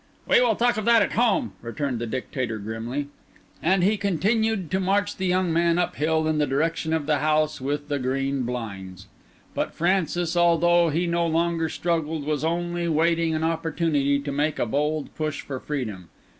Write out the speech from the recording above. "We will talk of that at home," returned the Dictator grimly. And he continued to march the young man up hill in the direction of the house with the green blinds. But Francis, although he no longer struggled, was only waiting an opportunity to make a bold push for freedom.